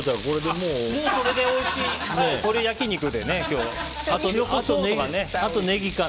もう、それでおいしい鶏焼き肉でね。